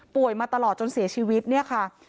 มาตลอดจนเสียชีวิตเนี่ยค่ะ